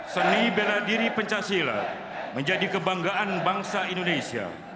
seni bela diri pencah silat menjadi kebanggaan bangsa indonesia